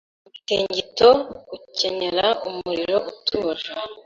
Imitingito gukenyera umuriro utuje